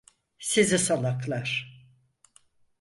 Sizi salaklar!